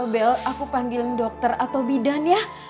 dobel aku panggilin dokter atau bidan ya